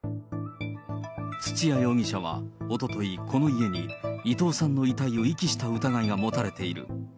土屋容疑者はおととい、この家に伊藤さんの遺体を遺棄した疑いが持たれている。